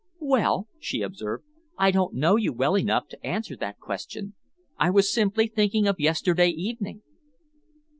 "Well," she observed, "I don't know you well enough to answer that question. I was simply thinking of yesterday evening."